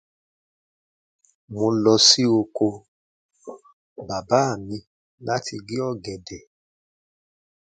The family was Catholic.